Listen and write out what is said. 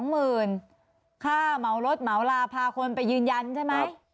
๒มื่นข้าเหมารสเหมาระพาคนไปยืนยันใช่มั้ย